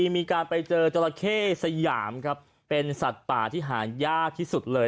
มีการไปเจอจราเข้สยามครับเป็นสัตว์ป่าที่หายากที่สุดเลย